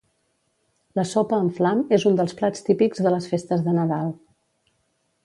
La sopa amb flam és un dels plats típics de les festes de Nadal.